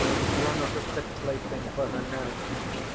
You are not a fit plaything for her now.